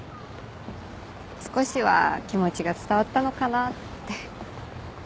少しは気持ちが伝わったのかなって。